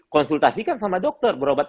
konsultasikan sama dokter berobat